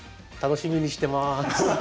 楽しみにしてます。